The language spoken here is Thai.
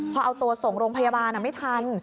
พอเอาตัวส่งโรงพยาบาลไม่ทัน